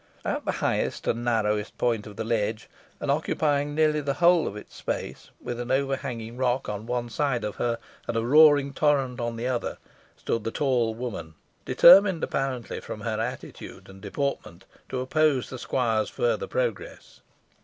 At the highest and narrowest point of the ledge, and occupying nearly the whole of its space, with an overhanging rock on one side of her, and a roaring torrent on the other, stood the tall woman, determined apparently, from her attitude and deportment, to oppose the squire's further progress.